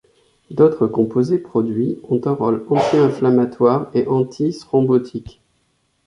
D'autres composés produits ont un rôle anti-inflammatoire et anti thrombotique.